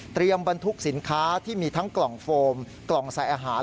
บรรทุกสินค้าที่มีทั้งกล่องโฟมกล่องใส่อาหาร